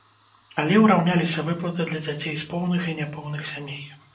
Але ўраўняліся выплаты для дзяцей з поўных і няпоўных сямей.